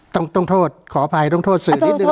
ต้องโทษขออภัยต้องโทษสื่อนิดนึง